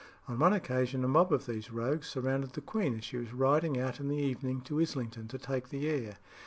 On one occasion a mob of these rogues surrounded the queen as she was riding out in the evening to Islington to take the air.